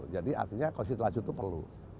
jadi artinya konsistensi lajur itu perlu